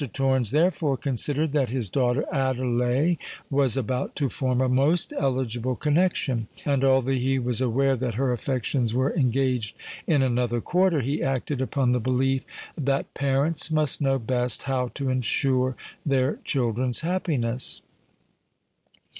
Torrens therefore considered that his daughter Adelais was about to form a most eligible connexion; and, although he was aware that her affections were engaged in another quarter, he acted upon the belief that parents must know best how to ensure their children's happiness.